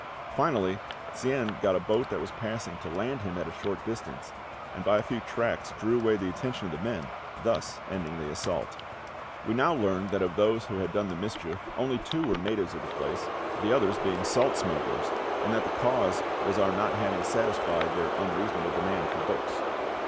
Finally, Tsien got a boat that was passing to land him at a short distance, and by a few tracts drew away the attention of the men, thus ending the assault. We now learned that of those who had done the mischief only two were natives of the place, the others being salt smugglers, and that the cause was our not having satisfied their unreasonable demand for books.